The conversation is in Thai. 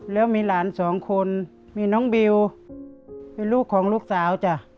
แล้วมีหลานสองคนมีน้องบิวเป็นลูกของลูกสาวจ้ะ